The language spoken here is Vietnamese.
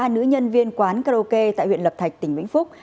một mươi ba nữ nhân viên quán karaoke tại huyện lập thạch tỉnh vĩnh phúc